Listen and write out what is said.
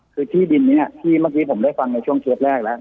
คือที่ดินนี้ที่เมื่อกี้ผมได้ฟังในช่วงเทปแรกแล้ว